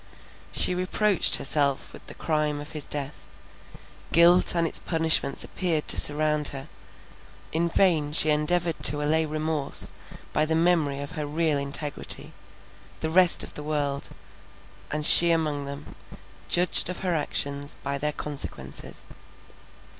She reproached herself with the crime of his death; guilt and its punishments appeared to surround her; in vain she endeavoured to allay remorse by the memory of her real integrity; the rest of the world, and she among them, judged of her actions, by their consequences.